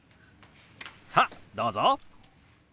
さあどうぞ！